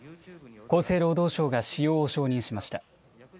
厚生労働省が使用を承認しました。